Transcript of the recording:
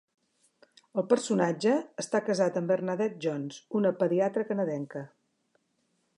El personatge està casat amb Bernadette Jones, una pediatra canadenca.